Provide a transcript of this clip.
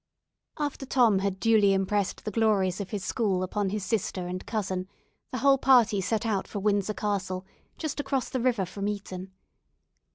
After Tom had duly impressed the glories of his school upon his sister and cousin, the whole party set out for Windsor Castle, just across the river from Eton.